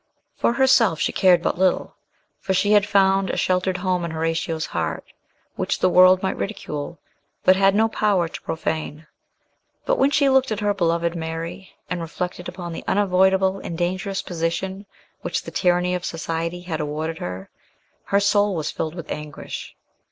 For herself she cared but little; for she had found a sheltered home in Horatio's heart, which the world might ridicule, but had no power to profane. But when she looked at her beloved Mary, and reflected upon the unavoidable and dangerous position which the tyranny of society had awarded her, her soul was filled with anguish.